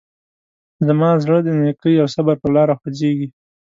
زما زړه د نیکۍ او صبر په لاره خوځېږي.